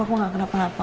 aku gak kenapa napa kok